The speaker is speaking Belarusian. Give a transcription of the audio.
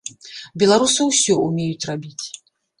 Беларусы ўсё умеюць рабіць.